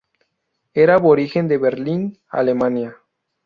Era aborigen de Berlín, Alemania.